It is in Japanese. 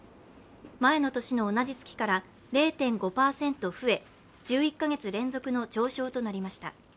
前の年の同じ月から０．５％増え、１１か月連続の上昇となりました。